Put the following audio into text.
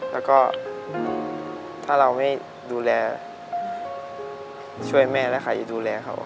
แล้วก็ถ้าเราไม่ดูแลช่วยแม่และข่ายดูแลเขาครับ